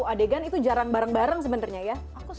jangan di dalam satu adegan itu jarang bareng bareng sebenernya ya